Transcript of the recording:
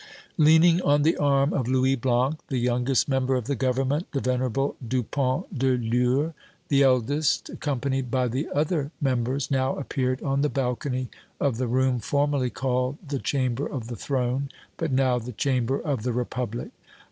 Leaning on the arm of Louis Blanc, the youngest member of the Government, the venerable Dupont de l'Eure, the eldest, accompanied by the other members, now appeared on the balcony of the room formerly called the Chamber of the Throne, but now the Chamber of the Republic!